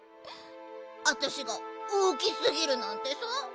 あたしがおおきすぎるなんてさ。